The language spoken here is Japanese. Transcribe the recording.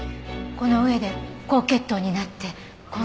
この上で高血糖になって昏睡状態に。